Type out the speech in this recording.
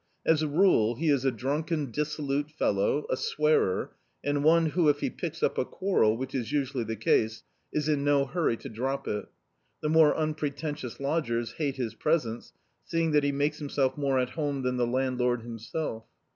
As a rule he is a drunken dissolute fellow, a swearer, and one who, if he picks up a quarrel, which is usually the case, is in no hurry to drop it. The more unpretentious lodgers hate his presence, seeing that he makes him self more at home than the landlord himself.